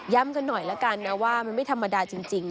กันหน่อยละกันนะว่ามันไม่ธรรมดาจริง